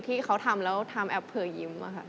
อยู่ที่เขาทำแล้วทำแอบเพลินยิ้ม